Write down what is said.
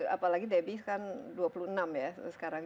apalagi debbie kan dua puluh enam ya sekarang